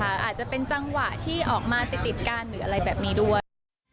อาจจะเป็นจังหวะที่ออกมาติดกันหรืออะไรแบบนี้ด้วย